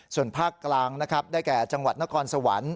ส่วนภาคกลางนะครับได้แก่จังหวัดนครสวรรค์